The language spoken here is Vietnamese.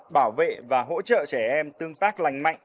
bảo vệ và hỗ trợ trẻ em tương tác lành mạnh